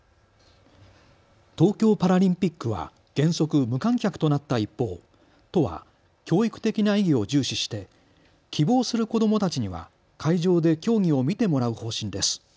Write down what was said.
東京パラリンピックは原則、無観客となった一方、都は教育的な意義を重視して希望する子どもたちには会場で競技を見てもらう方針です。